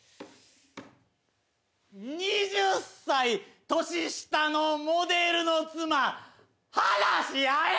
２０歳年下のモデルの妻話合えへん！